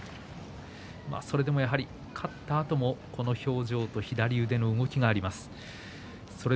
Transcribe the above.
それでも勝ったあともこの表情と左腕の動きです。